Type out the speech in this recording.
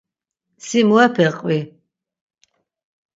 Si muepe qvi?